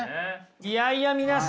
いやいや皆さん